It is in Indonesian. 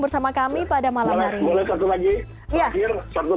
bersama kami pada malam hari ini